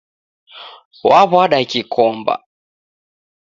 Waw'ada kikomba